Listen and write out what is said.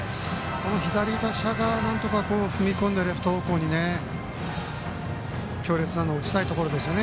左打者が踏み込んでレフト方向に強烈なのを打ちたいところですね